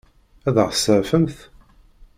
Ad ɣ-tseɛfemt?